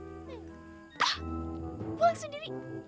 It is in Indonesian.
hah pulang sendiri